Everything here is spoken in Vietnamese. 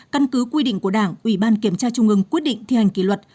căn cứ quy định của đảng ủy ban kiểm tra trung ương quyết định thi hành kỷ luật